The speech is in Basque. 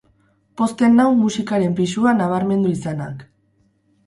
Pozten nau musikaren pisua nabarmendu izanak.